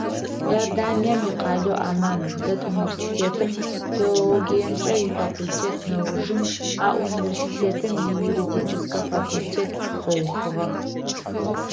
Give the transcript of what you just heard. Иорданием икъалэу Амман дэт университетым филологиемкӏэ ифакультет, нэужым а университетым июридическэ факультет къыухыгъэх.